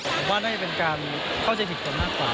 ผมว่าน่าจะเป็นการเข้าใจผิดกันมากกว่า